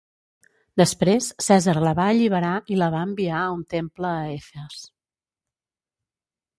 Després Cèsar la va alliberar i la va enviar a un temple a Efes.